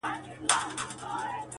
تاته به پټ وژاړم تاته په خندا به سم